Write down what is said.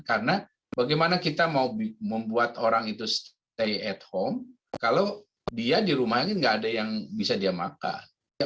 karena bagaimana kita mau membuat orang itu stay at home kalau dia di rumahnya nggak ada yang bisa dia makan